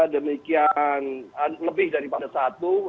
demikian lebih daripada satu